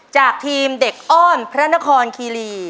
จากทีมเด็กอ้อนพระนครคีรี